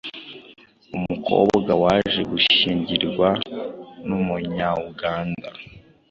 umukobwa waje gushyingirwa n’Umunya-Uganda